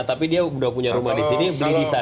tapi dia udah punya rumah di sini beli di sana